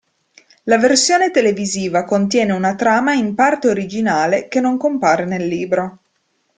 La versione televisiva contiene una trama in parte originale che non compare nel libro.